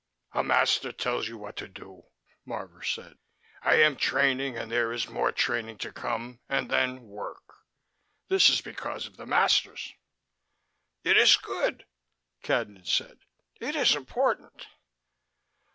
"A master tells you what to do," Marvor said. "I am training and there is more training to come and then work. This is because of the masters." "It is good," Cadnan said. "It is important."